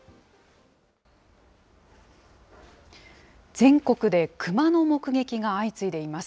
全国でクマの目撃が相次いでいます。